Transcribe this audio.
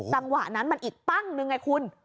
จังหวะนั้นมันอีกปั้งนึงไงคุณ